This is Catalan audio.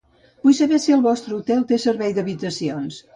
Vull saber si el vostre hotel te servei d,habitacions.